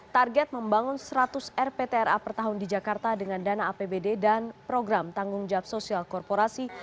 target membangun seratus rptra per tahun di jakarta dengan dana apbd dan program tanggung jawab sosial korporasi